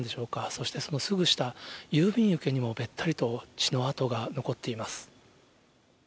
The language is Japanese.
そしてそのすぐ下、郵便受けにもべったりと血の痕が残っています。